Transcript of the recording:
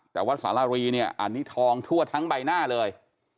แต่วัดสาลารีอันนี้ทองทั่วทั้งใบหน้าเลย